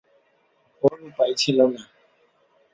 ওর উপায় ছিল না।